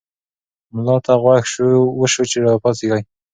ملا ته غږ وشو چې راپاڅېږه.